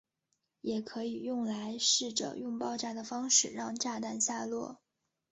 也可以用来试着用爆炸的方式让炸弹下落。